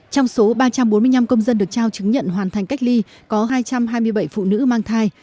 trong số ba trăm bốn mươi năm công dân được trao chứng nhận hoàn thành cách ly có hai trăm hai mươi bảy phụ nữ mang thai